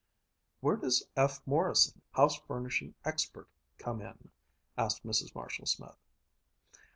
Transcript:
"Where does F. Morrison, house furnishing expert, come in?" asked Mrs. Marshall Smith.